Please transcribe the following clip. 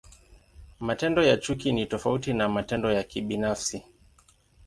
Matendo ya chuki ni tofauti na matendo ya kibinafsi.